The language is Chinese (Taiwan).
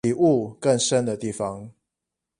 比霧更深的地方